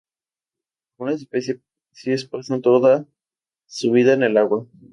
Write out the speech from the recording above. Algunas especies pasan toda su vida en el agua.